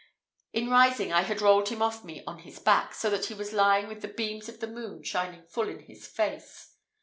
In rising I had rolled him off me on his back, so that he was lying with the beams of the moon shining full in his face.